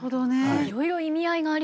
いろいろ意味合いがありそうですね。